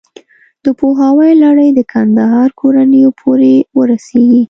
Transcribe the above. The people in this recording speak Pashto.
د پوهاوي لړۍ د کندهار کورنیو پورې ورسېږي.